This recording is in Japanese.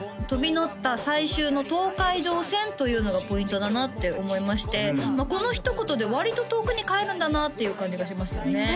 「飛び乗った最終の東海道線」というのがポイントだなって思いましてこのひと言で割と遠くに帰るんだなっていう感じがしますよね